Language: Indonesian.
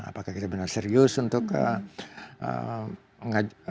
apakah kita benar serius untuk mengajak